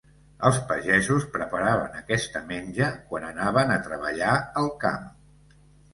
Els pagesos preparaven aquesta menja quan anaven a treballar al camp.